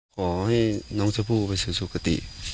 ขอให้น้องชมพู่ไปสู่สุขติ